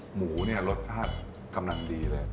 หมูเนี่ยรสชาติกำลังดีเลย